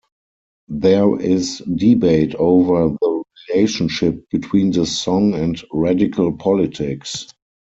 There is debate over the relationship between the song and radical politics.